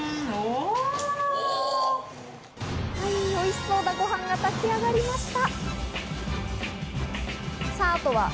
おいしそうなご飯が炊き上がりました。